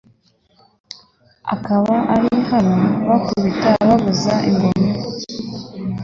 akaba ari naho bakubita bavuza ingoma.